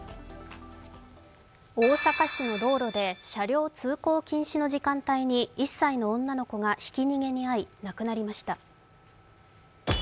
大阪市の道路で車両通行禁止の時間帯に１歳の女の子がひき逃げに遭い亡くなりました。